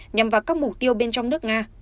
nhằm vào các mục tiêu bên trong nước nga